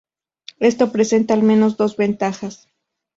Esto presenta al menos dos ventajas.